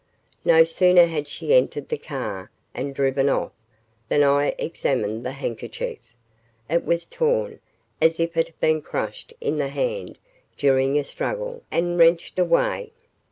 No sooner had she entered the car and driven off, than I examined the handkerchief. It was torn, as if it had been crushed in the hand during a struggle and wrenched away.